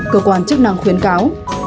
cơ quan chức năng khuyến cáo